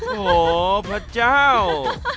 โหพระเจ้า